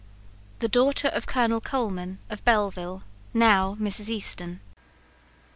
The daughter of Colonel Coleman, of Belleville; now Mrs. Easton.